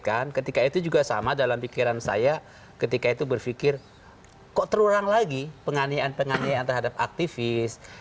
ketika itu juga sama dalam pikiran saya ketika itu berpikir kok terulang lagi penganiayaan penganiayaan terhadap aktivis